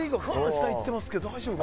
下いってますけど大丈夫か？